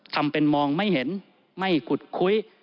ทำเป็นมองไม่เห็นไม่ขุดคุ้ย